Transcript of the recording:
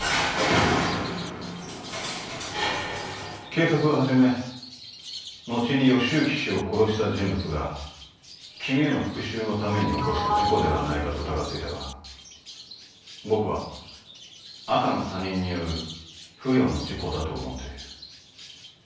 警察は初め後に義之氏を殺した人物が君への復讐のために起こした事故ではないかと疑っていたが僕は赤の他人による不慮の事故だと思っている。